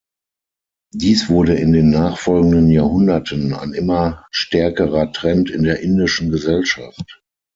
Dies wurde in den nachfolgenden Jahrhunderten ein immer stärkerer Trend in der indischen Gesellschaft.